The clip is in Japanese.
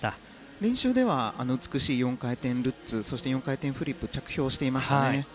練習では美しい４回転ルッツそして４回転フリップ着氷していましたね。